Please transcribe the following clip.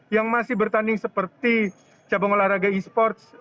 yang masih bertanding seperti cabang olahraga e sports